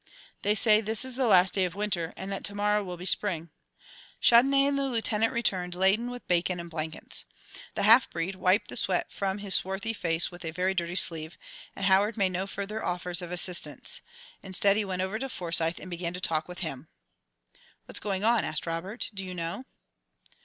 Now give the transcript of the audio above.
They say this is the last day of Winter and that to morrow will be Spring." Chandonnais and the Lieutenant returned, laden with bacon and blankets. The half breed wiped the sweat from his swarthy face with a very dirty sleeve, and Howard made no further offers of assistance. Instead, he went over to Forsyth, and began to talk with him. "What's going on?" asked Robert, "do you know?"